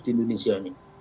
di indonesia ini